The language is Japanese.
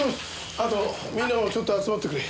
あとみんなもちょっと集まってくれ。